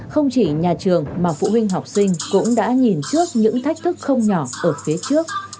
không chỉ nhà trường mà phụ huynh học sinh cũng đã nhìn trước những thách thức không nhỏ ở phía trước